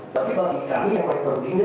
tapi bagi kami yang paling pentingnya